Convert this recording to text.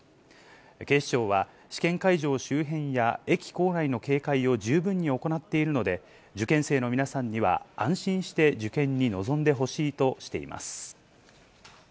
警視庁は、試験会場周辺や駅構内の警戒を十分に行っているので、受験生の皆さんには安心して受験に臨んでほしいとしています。